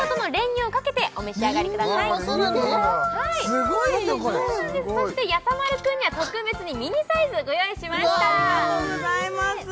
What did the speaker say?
すごいよこれそしてやさ丸君には特別にミニサイズご用意しましたうわ